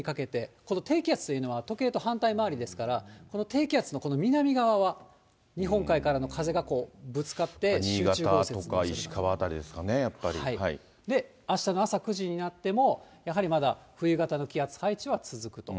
この低気圧というのは、時計と反対回りですから、この低気圧の南側は、日本海からの風がぶつかって、新潟とか石川辺りですかね、あしたの朝９時になっても、やはりまだ冬型の気圧配置は続くと。